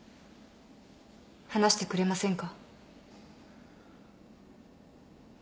話してくれませんか。